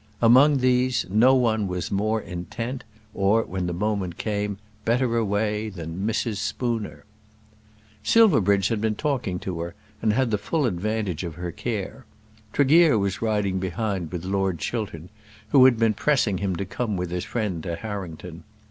Among these no one was more intent, or, when the moment came, "better away," than Mrs. Spooner. Silverbridge had been talking to her and had the full advantage of her care. Tregear was riding behind with Lord Chiltern, who had been pressing him to come with his friend to Harrington.